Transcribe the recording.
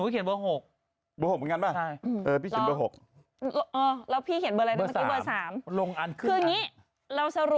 ของพี่เบอร์๖